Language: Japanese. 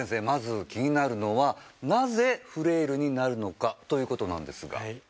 まず気になるのはなぜフレイルになるのかということなんですが。